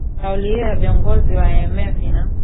kauli hiyo ya viongozi wa imf ina